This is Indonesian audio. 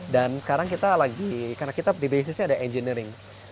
dan sekarang kita lagi karena kita di basisnya ada engineering